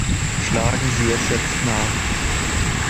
Schlagen Sie es jetzt nach!